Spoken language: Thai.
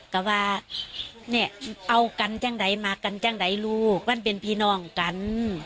ก็ว่าเนี่ยเอากันจังใดมากันจังใดลูกกันเป็นพี่น้องกัน